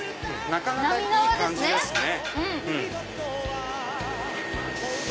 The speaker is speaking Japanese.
なかなかいい感じですね。